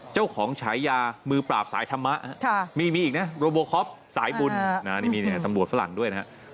ฉายามือปราบสายธรรมะมีอีกนะโรโบคอปสายบุญนี่มีตำรวจฝรั่งด้วยนะฮะ